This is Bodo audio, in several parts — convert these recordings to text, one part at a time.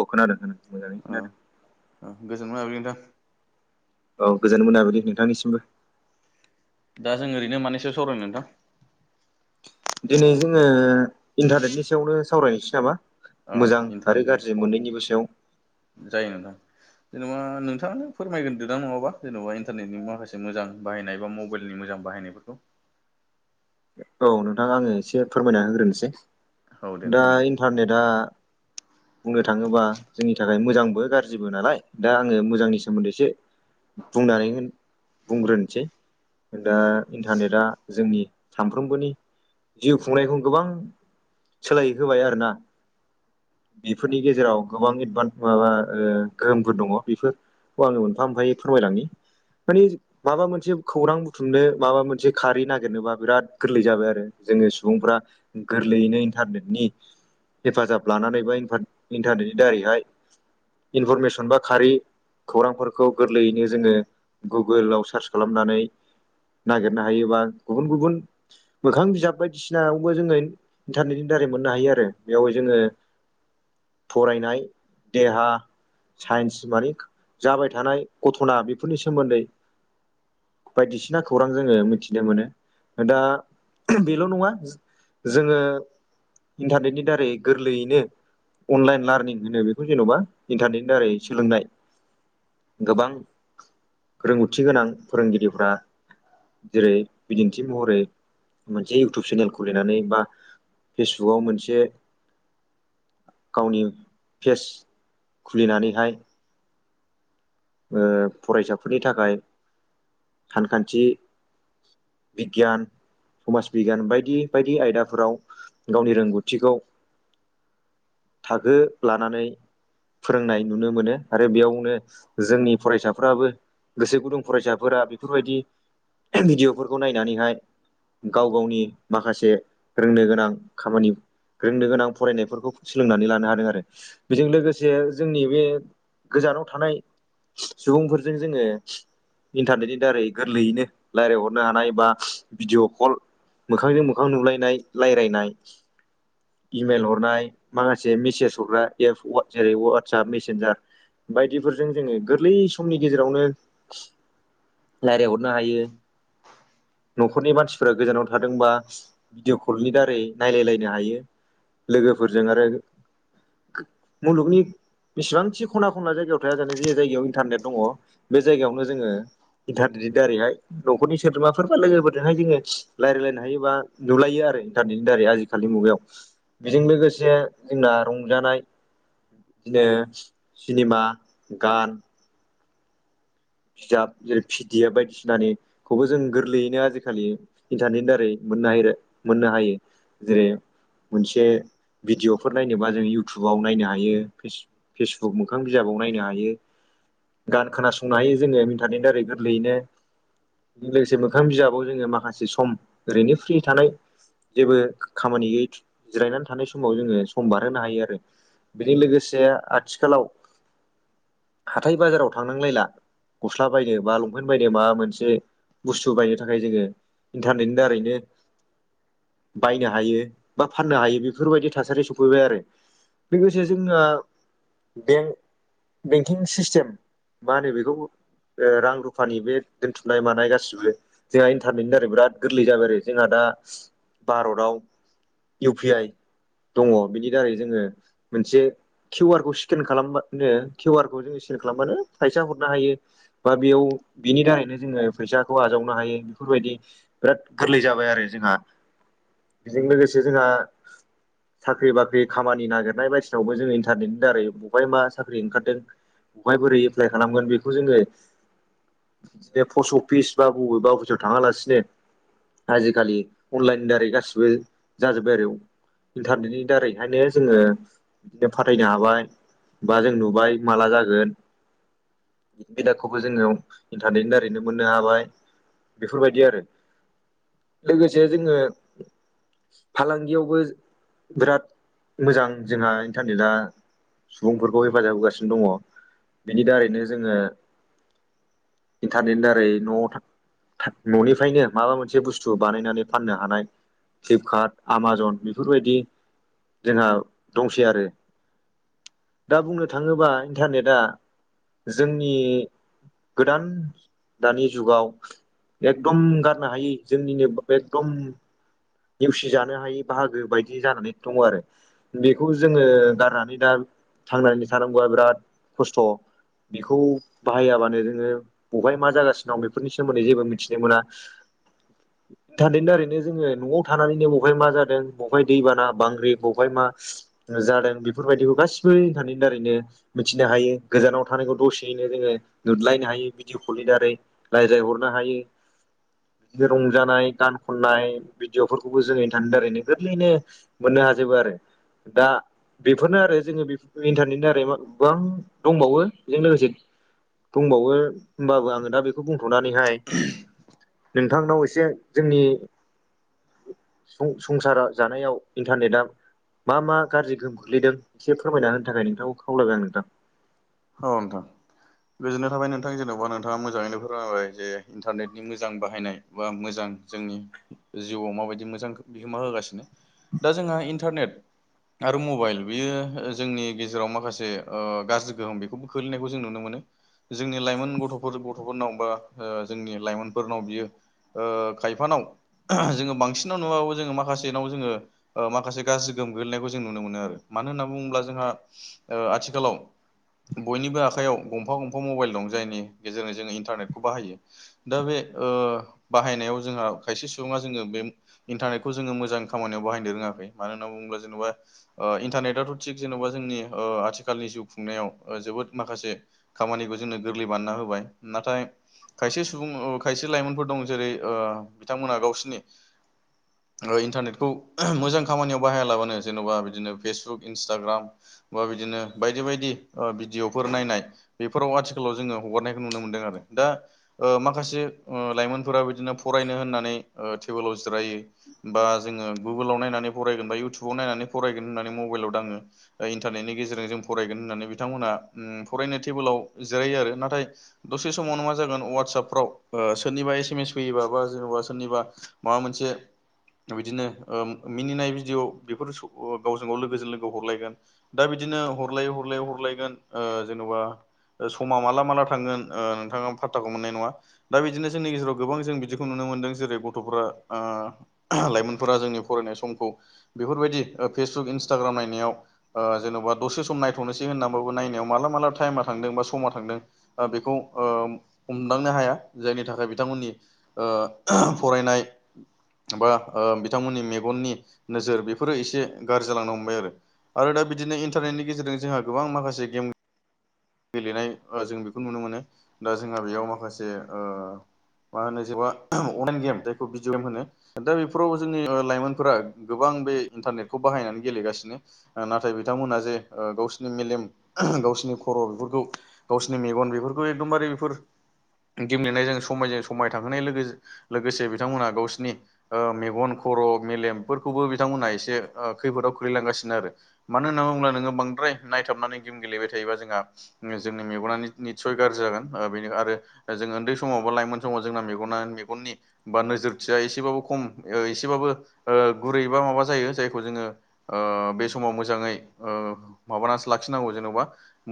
औ खोनादों खोनादों मोजाङै खोनादों। ओ गोजोन मोनाबिलि नोंथां। औ गोजोन मोनाबिलि नोंथांनिसिमबो। दा जों ओरैनो मानि सायाव सावरायनो नोंथां? दिनै जोङो इन्टारनेटनि सायावनो सावरायनोसै नामा? औ मोजां आरो इन्टारनेट गाज्रि फन मोननैनिबो सायाव जायो नोंथां। जेनेबा नोंथाङानो फोरमायग्रोदो दा नङाबा जेनेबा इन्टारनेटनि माखासे मोजां बाहायनाय बा मबाइलनि मोजां बाहायनाय फोरखौ। औ नोंथां आङो एसे फोरमायना होग्रोनोसै औ दे दा नोंथां दे इन्टारनेटआ बुंनो थाङोबा जोंनि थाखाय मोजांबो गाज्रिबो नालाय दा आङो मोजांनि सोमोन्दै एसे बुंनानै होन बुंग्रोनोसै दा इन्टारनेटआ जोंनि सामफ्रोमबोनि जिउ खुंनायखौ गोबां सोलाय होबाय आरो ना। बेफोरनि गेजेराव गोबां एडभान माबा ओ गोहोमफोर दङ' बेफोर खौ आङो मोनफा मोनफायै फोरमायलांनि। मानि माबा मोनसे खौरां बुथुमनो माबा मोनसे खारै नागिरनोबा बिराद गोरलै जाबाय आरो जोङो सुबुंफ्रा गोरलैयैनो इन्टारनेटनि हेफाजाब लानानै बा इन्फार इन्टारनेटनि दारैहाय इनफरमेसन बा खारि खौरांफोरखौ गोरलैयैनो जोङो गुगोलाव सार्च खालामनानै नागिरनो हायोबा गुबुन गुबुन मोखां बिजाब बायदिसिनायावबो जोङो इन्टारनेटनि दारै मोननो हायो आरो बेयाव जोङो फरायनाय देहा साइन्स मानि जाबाय थानाय गथ'ना बेफोरनि सोमोन्दै बायदिसिना खौरां जोङो मिथिनो मोनो दा बेल' नङा जोङो इन्टारनेटनि दारै गोरलैयैनो अनलाइन लार्निं होनो बेखौ जेन'बा इन्टारनेटनि दारै सोलोंनाय। गोबां रोंगौथि गोनां फोरोंगिरिफ्रा जेरै बिदिन्थि महरै मोनसे इउटुब चेनेल खुलिनानै बा फेसबुकाव मोनसे गावनि फेस खुलिनानैहाय ओ फरायसाफोरनि थाखाय सानखान्थि बिगियान समाज बिगियान बायदि बायदि आयदाफोराव गावनि रोंगौथिखौ थाखो लानानै फोरोंनाय नुनो मोनो आरो बेयावनो जोंनि फरायसाफोराबो गोसो गुदुं फरायसाफोरा बेफोरबायदि भिडिअ'फोरखौ नायनानैहाय गाव गावनि माखासे रोंनो गोनां खामानि रोंनो गोनां फरायनायफोरखौ सोलोंनानै लानो हादों आरो बेजों लोगोसे जोंनि बे गोजानाव थानाय सुबुंफोरजों जोङो इन्टारनेटनि दारै गोरलैयैनो रायज्लायहरनो हानाय बा भिडिअ' कल मोखांजों मोखां नुलायनाय रायज्लायनाय इमेल हरनाय माखासे मेसेज हरग्रा एप वा जेरै वाट्सप, मेसेन्जार बायदिफोरजों जोङो गोरलै समनि गेजेरावनो रायलायहरनो हायो न'खरनि मानसिफोरा गोजानाव थादोंबा भिदिअ कलनि दारै नायलायलायनो हायो लोगोफोरजों आरो मुलुगनि बेसेबांखि खना खनना जायगायाव थाया जानै जि जायगायाव इन्टारनेट दङ बे जायगायावनो जोङो इन्टारनेटनि दारैहाय न'खरनि सोद्रोमाफोर बा लोगोफोरजोंहाय जोङो रायजायलायनो हायो बा नुलायो आरो इन्टारनेटनि दारै आजि खालि मुगायाव बेजों लोगोसे जोंना रंजानाय बिदिनो सिनेमा, गान बिजाब जेरै पि डि एप बायदिसिनानिखौबो जों गोरलैयैनो आजिखालि इन्टारनेटनि दारै मोननो हायो रे मोननो हायो जेरै मोनसे भिडिअफोर नायनोबा जों इयउटुबाव नायनो हायो फेस फेसबुक मोखां बिजाबाव नायनो हायो गान खोनासंनो हायो जोङो इथारनेट दारै गोरलैयैनो लोगोसे मोखां बिजाबाव जोङो माखासे सम ओरैनो फ्रि थानाय जेबो खामानि गैयै जिरायनानै थानाय समाव जोङो सम बारहोनो हायो आरो बेजों लोगोसे आथिखालाव हाथाय बाजाराव थांनांलायला गस्ला बायनो बा लंपेन्ट बायनो बा माबा मोनसे बुस्थु बायनो थाखाय जोङो इन्टारनेटनि दारैनो बायनो हायो बा फाननो हायो बेफोरबायदि थासारि सफैबाय आरो लोगोसे जोंङो बेंक बेंकिं सिस्टेम मा होनो बेखौ ओ रां रुफानि बे दोनथुमनाय मानाय गासिबो जोंहा इन्टारनेटनि दारै बिराद गोरलै जाबाय आरो जोंहा दा भारतआव इउ पि आइ दङ बिनि दारै जोङो मोनसे किउ आर खौ स्केन खालामबानो किउ आर खौ जों स्केन खालामबानो फैसा हरनो हायो बा बेयाव बिनि दारैनो जोङो फैसाखौ आजावनो हायो बेफोरबायदि बिराद गोरलै जाबाय आरो जोंहा बेजों लोगोसे जोंहा साख्रि बाख्रि खामानि नागिरनाय बायदिसिनावबो जोङो इन्टारनेटनि दारै बबेहाय मा साख्रि ओंखारदों बहाय बोरै एप्लाइ खालामगोन बेखौ जोङो बे पस्ट अफिस बा बबेबा अफिसाव थाङा लासिनो आजिखालि अनलाइननि दारै गासिबो जाजोबबाय आरो इन्टारनेटनि दारैहायनो जोङो दे फाथायनो हाबाय बा जों नुबाय माला जागोन बेदाखौबो जोङो इन्टारनेटनि दारैनो मोननो हाबाय बेफोरबायदि आरो लोगोसे जोङो फालांगियावबो बिराद मोजां जोंहा इन्टारनेटआ सुबुंफोरखौ हेफाजाब होगासिनो दङ बिनि दारैनो जोङो इन्टारनेटनि दारै न'आव था था न'निफ्रायनो माबा मोनसे बुस्थु बानायनानै फाननो हानाय फ्लिपकार्ट, आमाजन बेफोरबायदि जोंहा दंसै आरो दा बुंनो थाङोबा इन्टारनेटआ जोंनि गोदान दानि जुगाव एकदम गारनो हायि जोंनिनो एकदम नेवसि जानो हायै बाहागो बायदि जानानै दङ आरो बेखौ जोङो गारनानै दा थांनानै थानांगौआ बिराद खस्थ' बेखौ बाहायाबानो जोङो बबेहाय मा जागासिनो दं बेफोरनि सोमोन्दै जेबो मिथिनो मोना। दा बेनि दारैनो जोङो न'आव थानानैनो बबेहाय मा जादों बबेहाय दैबाना बांग्रि बबेहाय मा जादों बेफोरबायदिखौ गासिबो इन्थारनेटनि दारैनो मिथिनो हायो, गोजानाव थानायखौ दसेयैनो जोङो नुलायनो हायो भिदिअ' कलनि दारै। रायज्लाय हरनो हायो। बिदिनो रंजानाय गान खननाय बिदि बिजाबफोरखौबो जोङो इन्थारनेटनि दारैनो गोरलैयैनो मोननो हाजोबो आरो दा बेफोरनो आरो जोङो बे इन्टारनेटनि दारै आरो गोबां दंबावो बेजों लोगोसे दंबावो होमबाबो आङो दा बे बेखौ बुंथ'नानैहाय नोंथांनाव एसे जोंनि सं संसारा जानायाव इन्टारनेटआ मा मा गाज्रि गोहोम खोख्लैदों एसे फोरमायना होनो थाखाय नोंथांखौ खावलायबाय आं नोंथां। औ नोंथां। गोजोननाय थाबाय नोंथां जेन'बा नोंथाङा मोजाङैनो फोरमायबाय जे इन्टारनेटनि मोजां बाहायनाय। बा मोजां जोंनि जिउआव माबायदि मोजां बिहोमा होगासिनो‌। दा जोंहा इन्टारनेट आरो मबाइल बेयो जोंनि गेजेराव माखासे ओ गाज्रि गोहोम बेखौबो खोलैनायखौ जों नुनो मोनो। जोंनि लाइमोन गथ'फोर गथ'फोरनाव बा ओ जोंनि लाइमोनफोरनाव बियो ओ खायफानाव जोङो बांसिनाव नुबाबो जोङो माखासेनाव जोङो माखासे गाज्रि गोहोम गोग्लैनायखौ जों नुनो मोनो आरो। मानो होनना बुङोब्ला जोंहा ओ आथिखालाव बयनिबो आखाइयाव गंफा गंफा मबाइल दं जायनि गेजेरजों जोङो इन्टारनेटखौ बाहायो। दा बे बाहायनायाव जोंहा खायसे सुबुङा जोङो बे इन्टारनेटखौ जोङो मोजां खामानियाव बाहायनो रोङाखै मानो होनना बुङोब्ला जेनेबा इन्टारनेटथ' थिग जेन'बा जोंनि आथिखालनि जिउ खुंनायाव जोबोद माखासे खामानिखौ जोंनो गोरलै बानायना होबाय नाथाय खायसे सुबुं खायसे लाइमोनफोर दं जेरै बिथांमोनहा गावसिनि इन्टारनेटखौ मोजां खामानियाव बाहायालाबानो जेन'बा बिदिनो फेसबुक इन्सटाग्राम बा बिदिनो बायदि बायदि भिडिअफोर नायनाय बेफोराव आथिखालाव जोङो हगारनायखौ नुनो मोनदों आरो दा माखासे लाइमोनफोरा बिदिनो फरायनो होननानै टेबोलाव जिरायो बा जोङो गुगोलाव नायनानै फरायगोन बा इउटुबाव नायनानै फरायगोन होननानै मबाइलाव दाङो। इन्टारनेटनि गेजेरजों जों फरायगोन होननानै बिथांमोना फरायनो टेबोलाव जिरायो आरो नाथाय दसे समावनो मा जागोन वाटसापफ्राव सोरनिबा एस एम एस फैयोबा बा जेनेबा सोरनिबा माबा मोनसे बिदिनो मिनिनाय भिडिअ' बेफोर गावजों गाव लोगोजों लोगो हरलायगोन। दा बिदिनो हरलायै हरलायै हरलायगोन जेन'बा समा माला माला थांगोन ओ नोंथाङा पाट्टाखौनो मोननाय नङा। दा बिदिनो जोंनि गेजेराव गोबां जों बिदिखौ नुनो मोनदों जेरै गथ'फ्रा ओ लाइमोनफोरा जोंनि फरायनाय समखौ बेफोरबायदि फेसबुक इन्सटाग्राम नायाव ओ जेन'बा दसे सम नायथ'नोसै होन्नानै नायनायाव माला माला टाइमा थांदों बा समा थांदों ओ बेखौ हमदांनो हाया जायनि थाखाय बिथांमोननि ओ फरायनाय बा ओ बिथांमोननि मेगननि नोजोर बेफोरो एसे गाज्रि जालांनो हमबाय आरो। आरो दा बिदिनो इन्टारनेटनि गेजेरजों जोंहा गोबां माखासे गेम गेलेनाय जों बेखौ नुनो मोनो दा जोंहा बेयाव माखासेण ओ मा होनो जेनबा अनलाइन गेम जायखौ भिडिअ गेम होनो दा बेफोराव जोंनि लाइमोनफोरा गोबां बे इन्टारनेटखौ बाहायनानै गेलेगासिनो। नाथाय बिथांमोनहा जे गावसिनि मेलेम गावसिनि खर' बेफोरखौ गावसिनि मेगन बेफोरखौ एकदमबारे बेफोर गेमलेनायजों समायजों समाय थांहोनाय लोगो लोगोसे बिथांमोनहा गावसिनि ओ मेगन खर' मेलेमफोरखौबो बिथांमोनहा एसे खैफोदाव खोलैलांगासिनो आरो। मानो होनना बुङोब्ला नोंङो बांद्राय नायथाबनानै गेम गेलेबाय थायोबा जोंहा जोंनि मेगना निथ निथसय गाज्रि जागोन बेनो आरो जों उन्दै समाव बा लाइमोन समाव जोंना मेगना मेगननि बा नोजोरथिया एसेबाबो खम एसेबाबो ओ गुरै बा माबा जायो जायखौ जोंङो ओ बे समाव मोजाङै ओ माबानासो लाखिनांगौ जेन'बा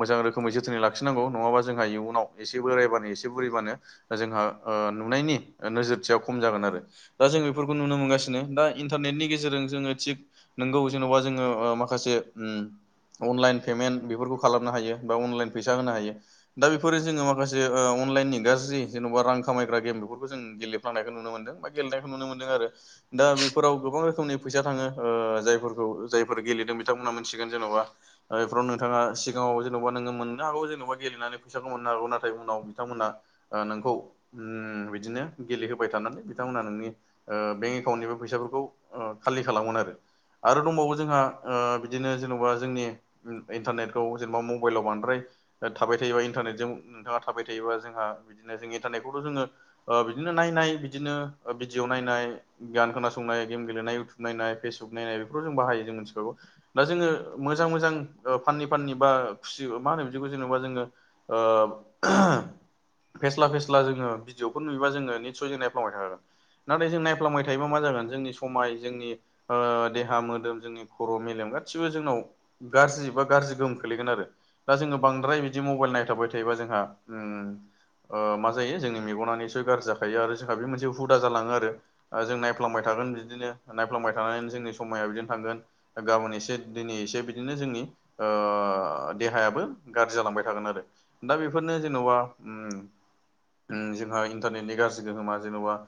मोजां रोखोमै जोथोनै लाखिनांगौ नङाबा जोंहा इयुनाव एसे बोरायबानो एसे बुरैबानो जोंहा ओ नुनायनि नोजोरथिया खम जागोन आरो। दा जों बेफोरखौ नुनो मोनगासिनो दा इन्टारनेटनि गेजेरजों जोंङो थिग नोंगौ जेन'बा जोंङो ओ माखासे उम अनलाइन पेमेन्ट बेफोरखौ खालाम नो हायो बा अनलाइन फैसा होनो हायो। दा बेफोरो जोंङो माखासे ओ अनलाइननि गाज्रि जेन'बा रां खामायग्रा गेम बेफोरखौ जों गेले नायखौ नुनो मोनदों बा गेलेनायखौ नुनो मोनदों आरो। दा बेफोराव गोबां रोखोमनि फैसा थांङो ओ जायफोरखौ जायफोर गेलेदों बिथांमोनहा मोनथिगोन जेन'बा ओ बेफोराव नोंथाङा सि सिगाङाव जेनबा नोंङो मोननो हागौ जेनेबा गेलेनानै फैसाखौ मोननो हागौ नाथाय उनाव बिथांमोना ओ नोंखौ उम बिदिनो गेलेहोबाय थानानै बिथांमोनहा नोंनि ओ बेंक एकाउन्टनिबो फैसाफोरखौ खालि खालामगोन आरो। आरो दंबावो जोंहा ओ बिदिनो जेनेबा जोंनि इन्टारनेट खौ जेनेबा मबाइलाव बांद्राय थाबाय थायोबा इन्टारनेटजों नोंथाङा थाबाय थायोबा जोंहा बिदिनो जों इन्टारनेटखौथ' जोंङो ओ बिदिनो नायनाय बिदिनो भिडिअ नायनाय गान खोनासंनाय गेम गेलेनाय इउटुब नाय फेसबुक नाय बेफोरखौ जों बाहायो जों मिथिखागौ। दा जोंङो मोजां मोजां ओ फाननि फाननि बा खुसि मा होनो बिदिखौ जेनेबा जोंङो ओ फेस्ला फेस्ला जोंङो भिडिअफोर नुयोबा जोंङो निथसय जों नायफ्लांबाय थाखागोन। नाथाय जों नायफ्लांबाय थायोबा मा जागोन जोंनि समाय जोंनि ओ देहा मोदोम जोंनि खर' मेलेम गासिबो जोंनाव गाज्रि बा गाज्रि गोहोम खोलैगोन आरो दा जोंङो बांद्राय बिदि मबाइल नायथाबाय थायोबा जोंहा उम ओ मा जायो जोंनि मेगना निथसय गाज्रि जाखायो आरो जोंहा बे मोनसे हुदा जालाङो आरो। ओ जों नायफ्लांबाय थागोन बिदिनो नायफ्लांबाय थानानैनो जोंनि समाया बिदिनो थांगोन। गाबोन एसे दिनै एसे बिदिनो जोंनि ओ ओ देहायाबो गाज्रि जालांबाय थागोन आरो दा बेफोरनो जेनेबा उम उम जोंहा इन्टारनेटनि गाज्रि गोहोमा जेन'बा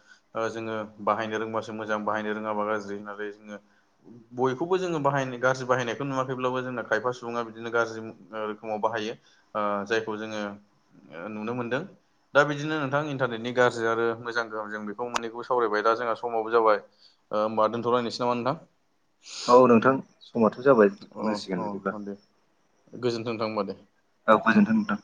ओ जोंङो बाहायनो रोंबासो मोजां बाहायनो रोङाबा गाज्रि होननानै जोंङो बयखौबो जोंङो बाहाय गाज्रि बाहायनायखौ नुवाखैब्लाबो जों खायफा सुबुंङा बिदिनो गाज्रि रोखोमाव बाहायो ओ जायखौ जोंङो नुनो मोनदों दा बिदिनो नोंथां इन्टारनेटनि गाज्रि आरो मोजां गाहोम जों बेखौ मोननैखौ सावरायबाय दा जोंहा समावो जाबाय। ओ होमबा दोनथ'लायनोसै नामा नोंथां? औ नोंथां समाथ' जाबाय दोथ'नांसिगोन अ बिदिब्ला। अ दे गोजोन्थों नोंथां होमबा दे। औ गोजोन्थों नोंथां।